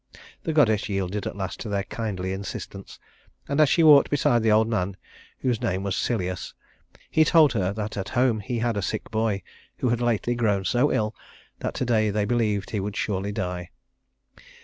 The goddess yielded at last to their kindly insistence, and as she walked beside the old man, whose name was Celeus, he told her that at home he had a sick boy who had lately grown so ill that to day they believed he would surely die.